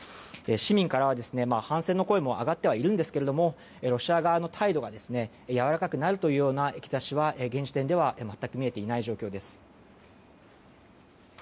市民からは、反戦の声も上がってはいるんですがロシア側の態度がやわらかくなるというような兆しは全く見えていない状況です。